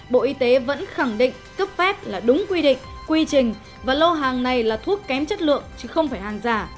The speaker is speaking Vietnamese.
bộ y tế vẫn khẳng định cấp phép là đúng quy định quy trình và lô hàng này là thuốc kém chất lượng chứ không phải hàng giả